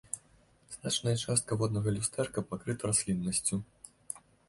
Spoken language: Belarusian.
Значная частка воднага люстэрка пакрыта расліннасцю.